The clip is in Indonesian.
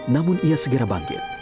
namun ia segera bangkit